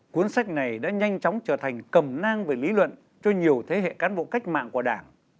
cuốn sách này đã nhanh chóng trở thành cầm nang về lý luận cho nhiều thế hệ cán bộ cách mạng của đảng